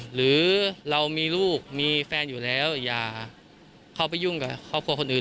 หรือเรามีลูกมีแฟนอยู่แล้วอย่าเข้าไปยุ่งกับครอบครัวคนอื่น